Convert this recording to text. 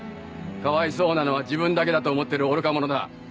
かわいそうなのは自分だけだと思ってる愚か者だ。